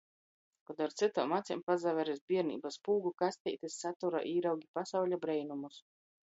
Kod ar cytom acim pasaver iz bierneibys pūgu kasteitis satura, īraugi pasauļa breinumus.